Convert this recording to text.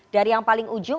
dari yang paling ujung